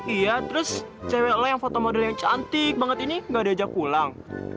iya terus cewek lo yang foto model yang cantik banget ini gak ada yang ajak pulang